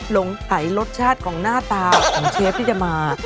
หลงไอรสชาติของหน้าตาของเชฟที่จะมา